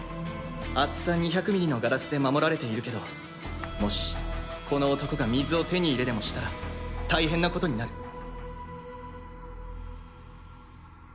厚さ２００ミリのガラスで守られているけどもしこの男が水を手に入れでもしたら大変なことになる。